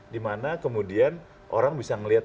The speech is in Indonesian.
dimana kemudian orang bisa melihat